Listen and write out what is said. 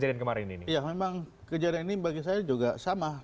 ya memang kejadian ini bagi saya juga sama ya memang kejadian ini bagi saya juga sama